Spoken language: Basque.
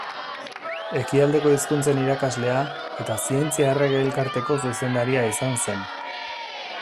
Ekialdeko hizkuntzen irakaslea eta Zientzia Errege Elkarteko zuzendaria izan zen.